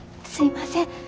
すいません。